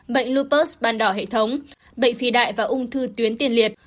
bệnh loupers ban đỏ hệ thống bệnh phi đại và ung thư tuyến tiền liệt